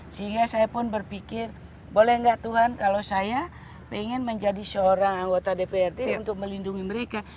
sehingga saya pun berpikir boleh nggak tuhan kalau saya ingin menjadi seorang anggota dprd untuk melindungi mereka